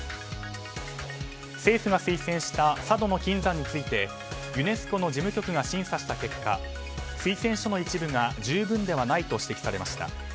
政府が推薦した佐渡島の金山についてユネスコの事務局が審査した結果推薦書の一部が十分ではないと指摘されました。